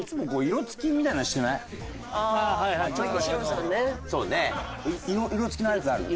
色付きのやつある？